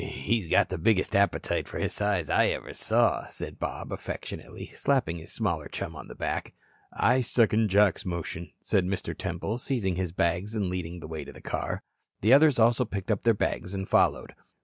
"He's got the biggest appetite for his size I ever saw," said Bob, affectionately, slapping his smaller chum on the back. "I second Jack's motion," said Mr. Temple, seizing his bags and leading the way to the car. The others also picked up their bags and followed.